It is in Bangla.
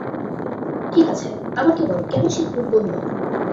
ঠিক আছে, আমাকে বলো, কেন সে খুন করল?